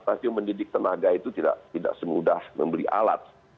tapi mendidik tenaga itu tidak semudah membeli alat